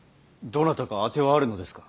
どなたか当てはあるのですか。